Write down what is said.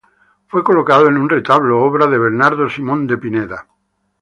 Fue colocado en un retablo, obra de Bernardo Simón de Pineda.